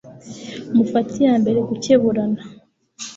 mufate iya mbere gukeburana